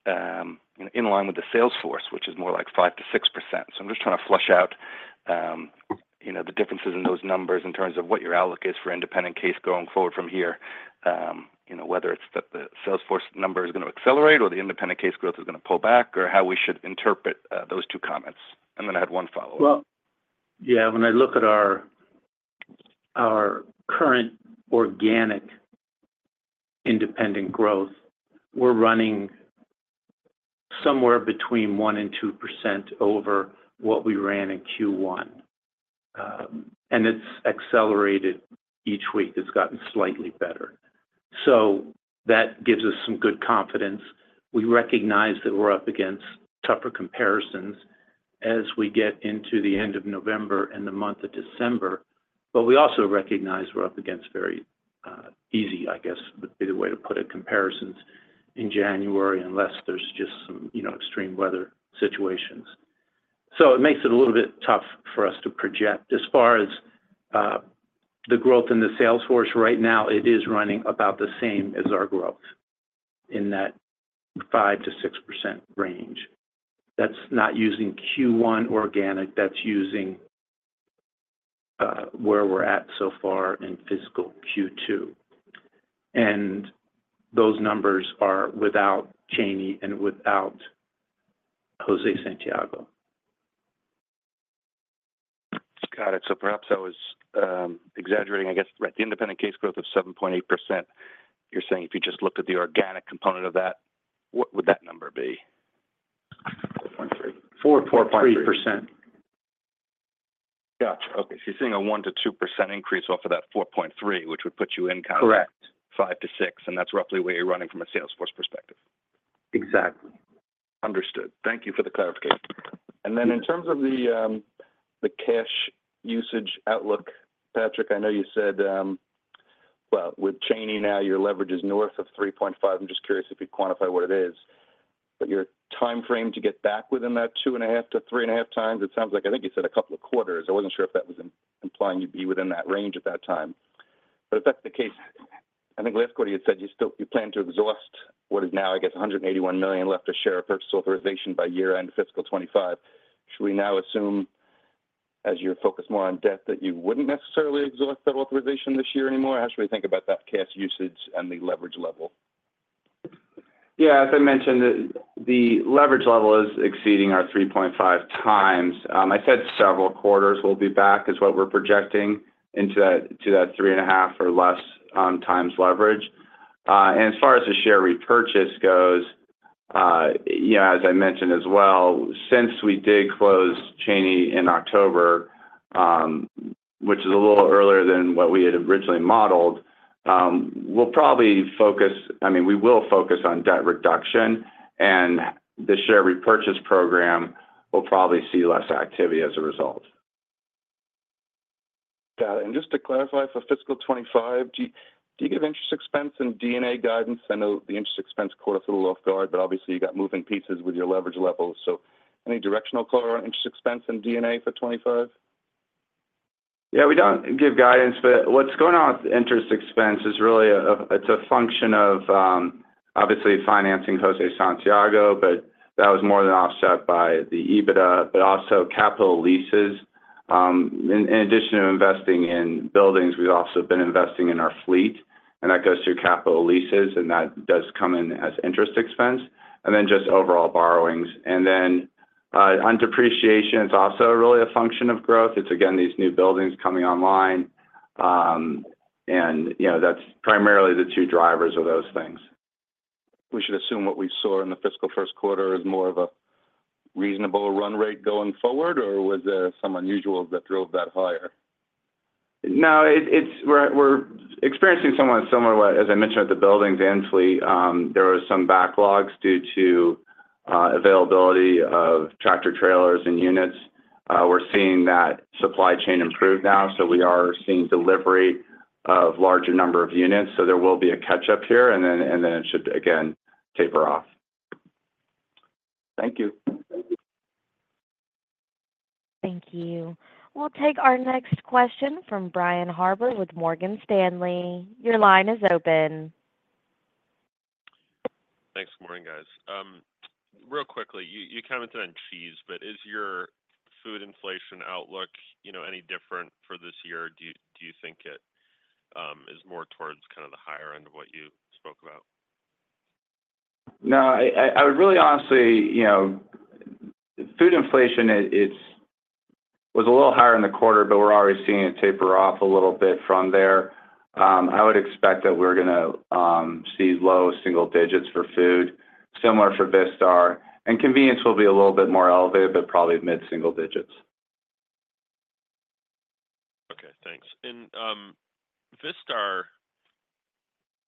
in line with the sales force, which is more like 5%-6%. I'm just trying to flesh out the differences in those numbers in terms of what your outlook is for independent case growth going forward from here, whether it's that the sales force number is going to accelerate or the independent case growth is going to pull back, or how we should interpret those two comments. I had one follow-up. Yeah. When I look at our current organic independent growth, we're running somewhere between 1%-2% over what we ran in Q1. And it's accelerated each week. It's gotten slightly better. So that gives us some good confidence. We recognize that we're up against tougher comparisons as we get into the end of November and the month of December. But we also recognize we're up against very easy, I guess, would be the way to put it, comparisons in January unless there's just some extreme weather situations. So it makes it a little bit tough for us to project. As far as the growth in the sales force right now, it is running about the same as our growth in that 5%-6% range. That's not using Q1 organic. That's using where we're at so far in fiscal Q2. Those numbers are without Cheney and without José Santiago. Got it. So perhaps I was exaggerating. I guess, right, the independent case growth of 7.8%, you're saying if you just looked at the organic component of that, what would that number be? 4.3%. Gotcha. Okay. So you're seeing a 1%-2% increase off of that 4.3, which would put you in kind of 5-6. And that's roughly where you're running from a sales force perspective. Exactly. Understood. Thank you for the clarification. And then in terms of the cash usage outlook, Patrick, I know you said, well, with Cheney now, your leverage is north of 3.5. I'm just curious if you'd quantify what it is. But your timeframe to get back within that two and a half to three and a half times, it sounds like I think you said a couple of quarters. I wasn't sure if that was implying you'd be within that range at that time. But if that's the case, I think last quarter you said you plan to exhaust what is now, I guess, $181 million left of share repurchase authorization fiscal 2025. should we now assume, as you're focused more on debt, that you wouldn't necessarily exhaust that authorization this year anymore? How should we think about that cash usage and the leverage level? Yeah. As I mentioned, the leverage level is exceeding our 3.5 times. I said several quarters will be back is what we're projecting into that three and a half or less times leverage. And as far as the share repurchase goes, as I mentioned as well, since we did close Cheney in October, which is a little earlier than what we had originally modeled, we'll probably focus, I mean, we will focus on debt reduction. And the share repurchase program will probably see less activity as a result. Got it. And just to fiscal 2025, do you give interest expense and D&A guidance? I know the interest expense caught us a little off guard, but obviously, you got moving pieces with your leverage levels. So any directional color on interest expense and D&A for 2025? Yeah. We don't give guidance, but what's going on with interest expense is really a, it's a function of, obviously, financing José Santiago, but that was more than offset by the EBITDA, but also capital leases. In addition to investing in buildings, we've also been investing in our fleet. And that goes through capital leases, and that does come in as interest expense. And then just overall borrowings. And then on depreciation, it's also really a function of growth. It's, again, these new buildings coming online. And that's primarily the two drivers of those things. fiscal first quarter is more of a reasonable run rate going forward, or was there some unusual that drove that higher? No. We're experiencing somewhat similar to what, as I mentioned, with the buildings and fleet. There were some backlogs due to availability of tractor trailers and units. We're seeing that supply chain improve now, so we are seeing delivery of a larger number of units, so there will be a catch-up here, and then it should, again, taper off. Thank you. Thank you. We'll take our next question from Brian Harbour with Morgan Stanley. Your line is open. Thanks. Good morning, guys. Really quickly, you commented on cheese, but is your food inflation outlook any different for this year? Do you think it is more towards kind of the higher end of what you spoke about? No. I would really honestly. Food inflation, it was a little higher in the quarter, but we're already seeing it taper off a little bit from there. I would expect that we're going to see low single digits for food, similar for Vistar. And Convenience will be a little bit more elevated, but probably mid-single digits. Okay. Thanks, and Vistar,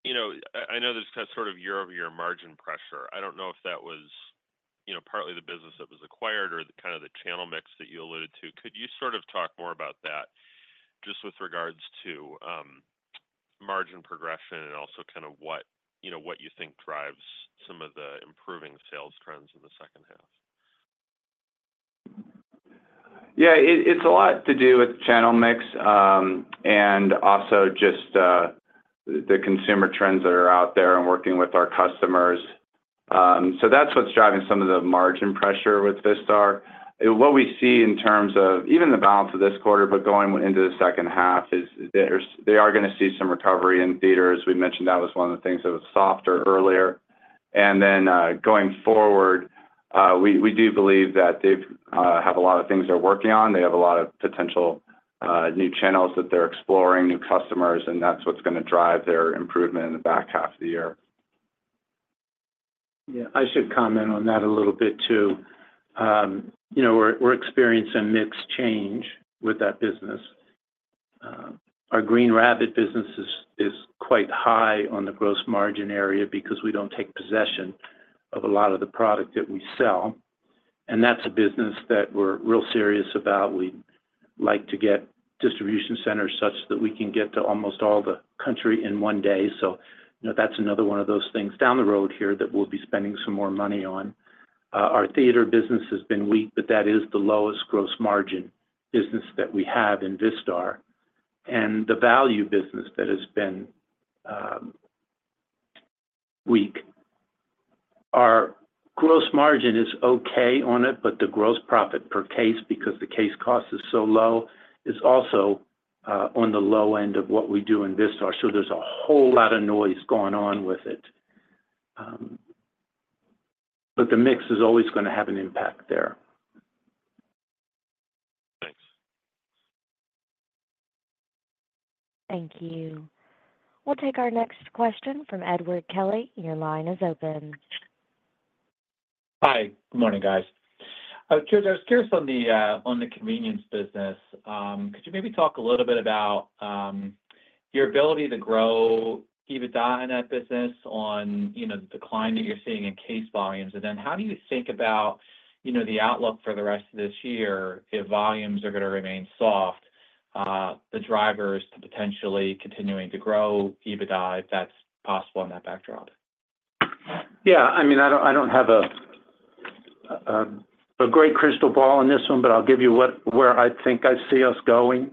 I know there's kind of sort of year-over-year margin pressure. I don't know if that was partly the business that was acquired or kind of the channel mix that you alluded to. Could you sort of talk more about that just with regards to margin progression and also kind of what you think drives some of the improving sales trends in the second half? Yeah. It's a lot to do with channel mix and also just the consumer trends that are out there and working with our customers, so that's what's driving some of the margin pressure with Vistar. What we see in terms of even the balance of this quarter, but going into the second half, is they are going to see some recovery in theaters. We mentioned that was one of the things that was softer earlier, and then going forward, we do believe that they have a lot of things they're working on. They have a lot of potential new channels that they're exploring, new customers, and that's what's going to drive their improvement in the back half of the year. Yeah. I should comment on that a little bit too. We're experiencing mix change with that business. Our Green Rabbit business is quite high on the gross margin area because we don't take possession of a lot of the product that we sell. And that's a business that we're real serious about. We'd like to get distribution centers such that we can get to almost all the country in one day. So that's another one of those things down the road here that we'll be spending some more money on. Our theater business has been weak, but that is the lowest gross margin business that we have in Vistar. And the value business that has been weak, our gross margin is okay on it, but the gross profit per case because the case cost is so low is also on the low end of what we do in Vistar. So there's a whole lot of noise going on with it. But the mix is always going to have an impact there. Thanks. Thank you. We'll take our next question from Edward Kelly. Your line is open. Hi. Good morning, guys. George, I was curious on the Convenience business. Could you maybe talk a little bit about your ability to grow EBITDA in that business on the decline that you're seeing in case volumes, and then how do you think about the outlook for the rest of this year if volumes are going to remain soft, the drivers to potentially continuing to grow EBITDA if that's possible in that backdrop? Yeah. I mean, I don't have a great crystal ball on this one, but I'll give you where I think I see us going.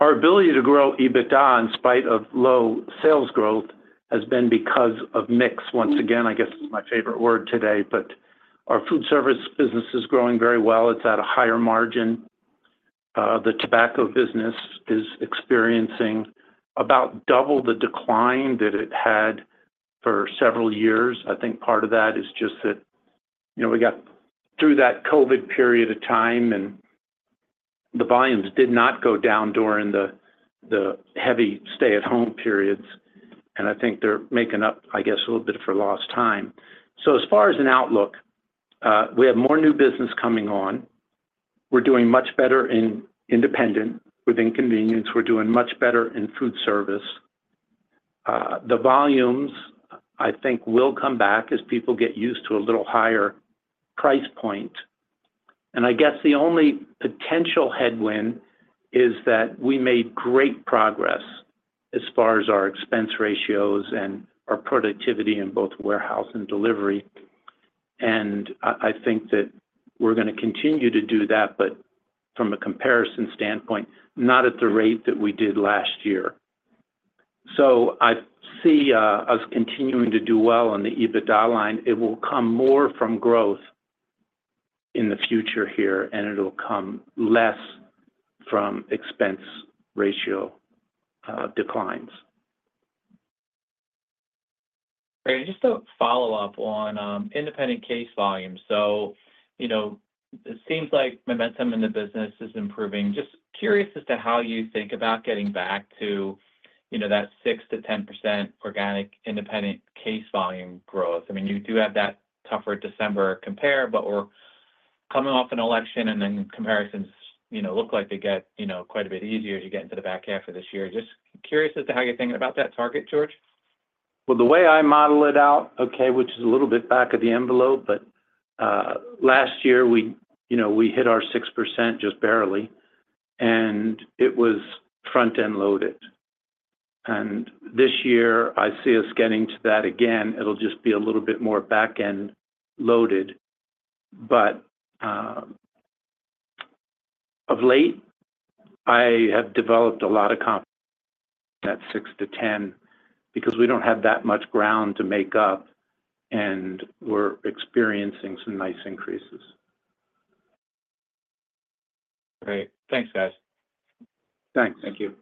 Our ability to grow EBITDA in spite of low sales growth has been because of mix. Once again, I guess it's my favorite word today, but our Foodservice business is growing very well. It's at a higher margin. The tobacco business is experiencing about double the decline that it had for several years. I think part of that is just that we got through that COVID period of time, and the volumes did not go down during the heavy stay-at-home periods, and I think they're making up, I guess, a little bit for lost time, so as far as an outlook, we have more new business coming on. We're doing much better in independent within Convenience. We're doing much better in Foodservice. The volumes, I think, will come back as people get used to a little higher price point. And I guess the only potential headwind is that we made great progress as far as our expense ratios and our productivity in both warehouse and delivery. And I think that we're going to continue to do that, but from a comparison standpoint, not at the rate that we did last year. So I see us continuing to do well on the EBITDA line. It will come more from growth in the future here, and it'll come less from expense ratio declines. Great. Just to follow up on independent case volume. So it seems like momentum in the business is improving. Just curious as to how you think about getting back to that 6%-10% organic independent case volume growth. I mean, you do have that tougher December compare, but we're coming off an election, and then comparisons look like they get quite a bit easier as you get into the back half of this year. Just curious as to how you're thinking about that target, George. The way I model it out, okay, which is a little bit back of the envelope, but last year, we hit our 6% just barely, and it was front-end loaded. And this year, I see us getting to that again. It'll just be a little bit more back-end loaded, but of late, I have developed a lot of confidence in that 6%-10% because we don't have that much ground to make up, and we're experiencing some nice increases. Great. Thanks, guys. Thanks. Thank you.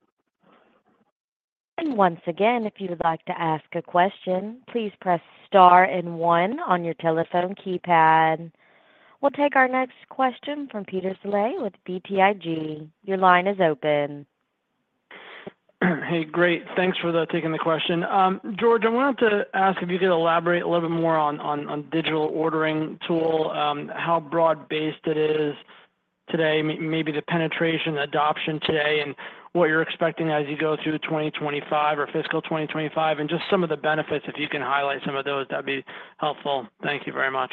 And once again, if you'd like to ask a question, please press star and one on your telephone keypad. We'll take our next question from Peter Saleh with BTIG. Your line is open. Hey, great. Thanks for taking the question. George, I wanted to ask if you could elaborate a little bit more on digital ordering tool, how broad-based it is today, maybe the penetration adoption today, and what you're expecting as you go through fiscal 2025, and just some of the benefits. If you can highlight some of those, that'd be helpful. Thank you very much.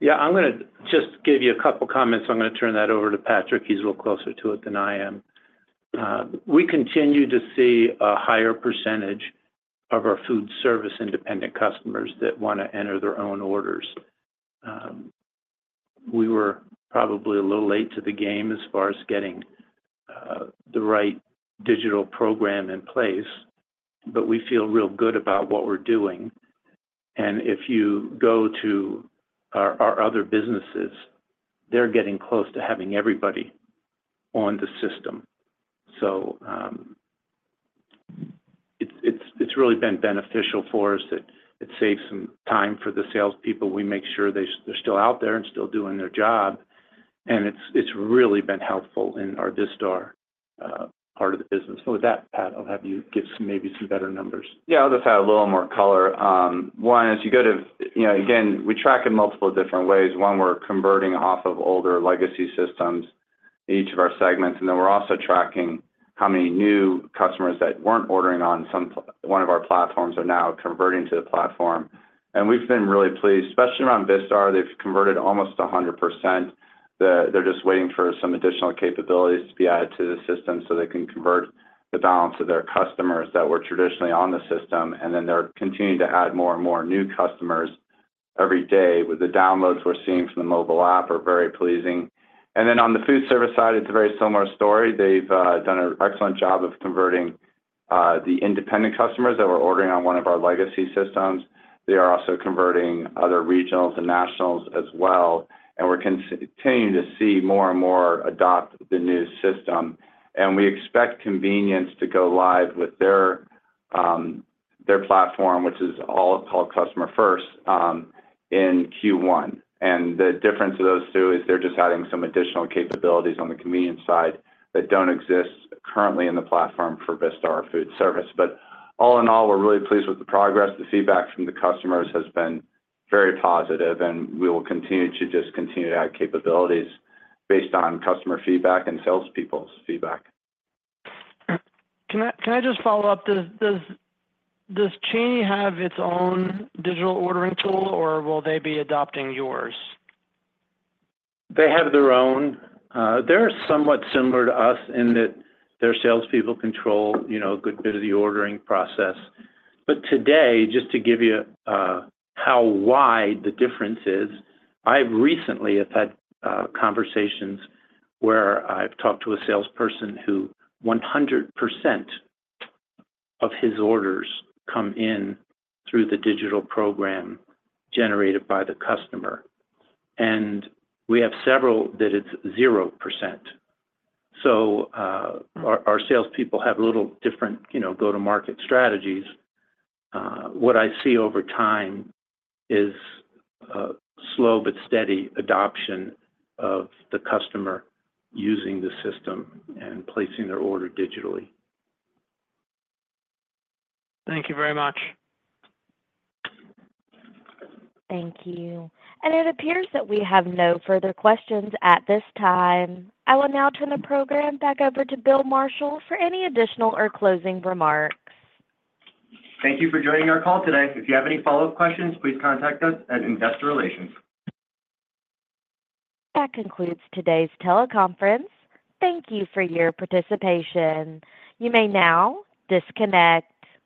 Yeah. I'm going to just give you a couple of comments. I'm going to turn that over to Patrick. He's a little closer to it than I am. We continue to see a higher percentage of our Foodservice independent customers that want to enter their own orders. We were probably a little late to the game as far as getting the right digital program in place, but we feel real good about what we're doing. And if you go to our other businesses, they're getting close to having everybody on the system. So it's really been beneficial for us. It saves some time for the salespeople. We make sure they're still out there and still doing their job. And it's really been helpful in our Vistar part of the business. With that, Pat, I'll have you give maybe some better numbers. Yeah. I'll just add a little more color. One, as you go to again, we track in multiple different ways. One, we're converting off of older legacy systems in each of our segments. And then we're also tracking how many new customers that weren't ordering on one of our platforms are now converting to the platform. And we've been really pleased, especially around Vistar. They've converted almost 100%. They're just waiting for some additional capabilities to be added to the system so they can convert the balance of their customers that were traditionally on the system. And then they're continuing to add more and more new customers every day. With the downloads we're seeing from the mobile app are very pleasing. And then on the Foodservice side, it's a very similar story. They've done an excellent job of converting the independent customers that were ordering on one of our legacy systems. They are also converting other regionals and nationals as well. And we're continuing to see more and more adopt the new system. And we expect Convenience to go live with their platform, which is all called Customer First in Q1. And the difference of those two is they're just adding some additional capabilities on the Convenience side that don't exist currently in the platform for Vistar Foodservice. But all in all, we're really pleased with the progress. The feedback from the customers has been very positive, and we will continue to just add capabilities based on customer feedback and salespeople's feedback. Can I just follow up? Does Cheney have its own digital ordering tool, or will they be adopting yours? They have their own. They're somewhat similar to us in that their salespeople control a good bit of the ordering process, but today, just to give you how wide the difference is, I've recently had conversations where I've talked to a salesperson who 100% of his orders come in through the digital program generated by the customer, and we have several that it's 0%, so our salespeople have little different go-to-market strategies. What I see over time is slow but steady adoption of the customer using the system and placing their order digitally. Thank you very much. Thank you. And it appears that we have no further questions at this time. I will now turn the program back over to Bill Marshall for any additional or closing remarks. Thank you for joining our call today. If you have any follow-up questions, please contact us at Investor Relations. That concludes today's teleconference. Thank you for your participation. You may now disconnect.